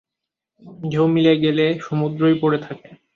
ঢেউ মিলিয়ে গেলে সমুদ্রই পড়ে থাকে।